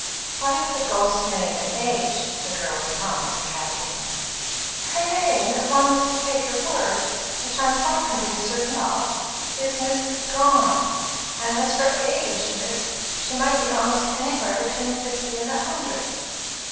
"What is the ghost's name and age?" the girl went on with her catechism. "Her name, if one was to take her word, which I'm far from being certain of, is Mrs. Gone; and as for her age, miss, she might be almost anywhere between fifty and a hundred."